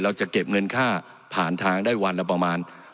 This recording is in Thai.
จะเก็บเงินค่าผ่านทางได้วันละประมาณ